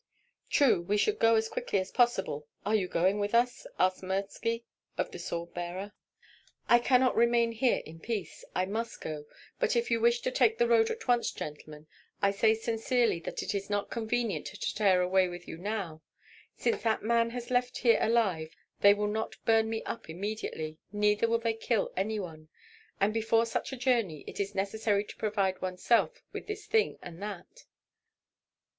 "True, we should go as quickly as possible! Are you going with us?" asked Mirski of the sword bearer. "I cannot remain here in peace, I must go. But if you wish to take the road at once, gentlemen, I say sincerely that it is not convenient to tear away now with you. Since that man has left here alive, they will not burn me up immediately, neither will they kill any one; and before such a journey it is necessary to provide one's self with this thing and that.